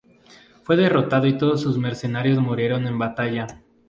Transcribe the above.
Fue derrotado y todos sus mercenarios murieron en batalla.